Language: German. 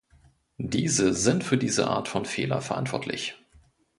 Diese sind für diese Art von Fehler verantwortlich.